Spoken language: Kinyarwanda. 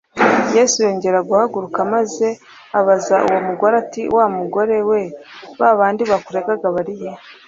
Yesu yongera guhaguruka maze abaza uwo mugore ati:"Wa mugore we, ba bandi bakuregaga bari he?